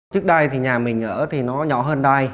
trước đây thì nhà mình ở thì nó nhỏ hơn đây